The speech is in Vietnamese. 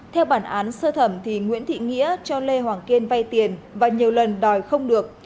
theo bản án sơ thẩm nguyễn thị nghĩa cho lê hoàng kiên vay tiền và nhiều lần đòi không được